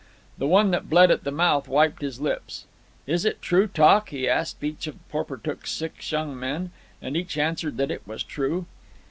The one that bled at the mouth wiped his lips. "Is it true talk?" he asked each of Porportuk's six young men. And each answered that it was true.